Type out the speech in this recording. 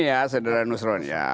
terima kasih saudara nusron